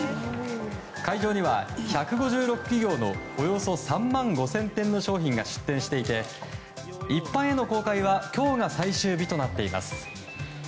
会場には１５６企業のおよそ３万５０００点の商品が出展していて一般への公開は今日が最終日となっています。